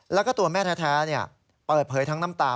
แล้วก็ตัวแม่แท้เปิดเผยทั้งน้ำตา